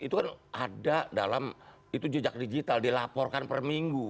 itu kan ada dalam itu jejak digital dilaporkan perminggu